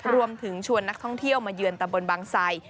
รวมถึงชวนนักท่องเที่ยวมาเยือนตำบลบางไซ